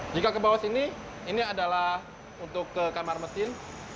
jika ke bawah sini ini adalah untuk ke kamar mesin